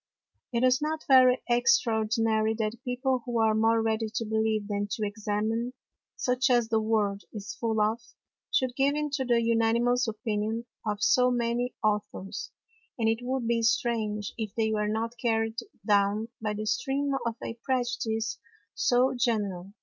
It is not very extraordinary that People who are more ready to believe than to examine, (such as the World is full of) should give into the unanimous Opinion of so many Authors; and it would be strange if they were not carry'd down by the Stream of a Prejudice so general.